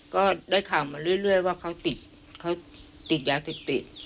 ก็ได้ข่าวมาเรื่อยว่าเขาติดยาเสพติด